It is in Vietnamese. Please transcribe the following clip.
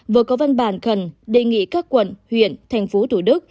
vừa có văn bản cần đề nghị các quận huyện tp tq